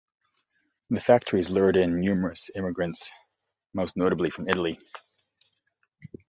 The factories lured in numerous immigrants, most notably from Italy.